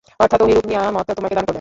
অর্থাৎ ওহীরূপ নিয়ামত তোমাকে দান করবেন।